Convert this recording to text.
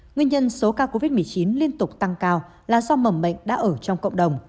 nguyên nhân số ca covid một mươi chín liên tục tăng cao là do mầm bệnh đã ở trong cộng đồng